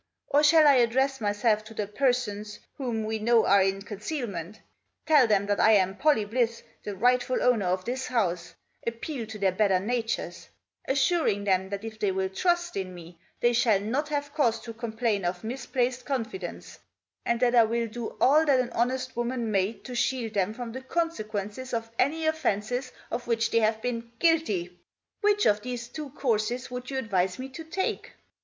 or shall I address myself to the persons whom we know are in concealment ; tell them that I am Pollie Blyth, the rightful owner of this house; appeal to their better natures ; assuring them that if they will trust in me they shall not have cause to complain of misplaced confidence ; and that I will do all that an honest woman may to shield them from the consequences of any offences of which they have been guilty. Which of these two courses would you advise me to take